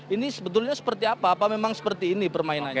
ini sebetulnya seperti apa apa memang seperti ini permainannya